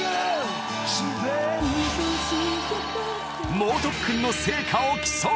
［猛特訓の成果を競う］